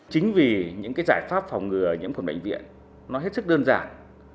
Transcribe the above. chính vì những giải pháp phòng ngừa nhiễm khuẩn bệnh viện nó hết sức đơn giản